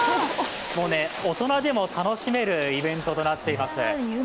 大人でも楽しめるイベントとなっています。